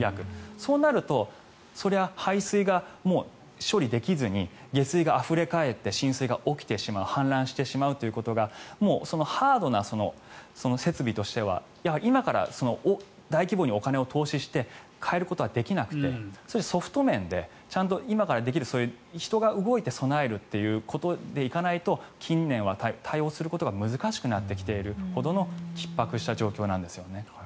そうなるとそりゃ排水が処理できずに下水があふれかえって浸水が起きてしまう氾濫してしまうということがもうハードな設備としては今から大規模にお金を投資して変えることはできなくてソフト面でちゃんと今からできる人が動いて備えるということでいかないと近年は対応することが難しくなってきているほどのひっ迫した状況なんですよね。